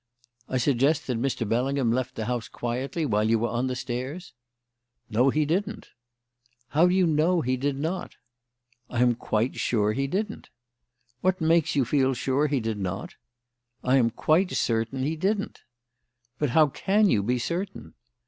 "I suggest that Mr. Bellingham left the house quietly while you were on the stairs?" "No, he didn't." "How do you know he did not?" "I am quite sure he didn't." "What makes you feel sure he did not?" "I am quite certain he didn't." "But how can you be certain?"